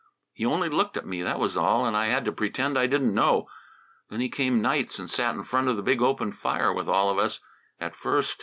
He only looked at me, that was all, and I had to pretend I didn't know. Then he came nights and sat in front of the big open fire, with all of us, at first.